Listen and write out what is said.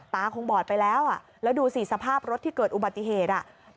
ตาคงบอดไปแล้วแล้วดูสิสภาพรถที่เกิดอุบัติเหตุ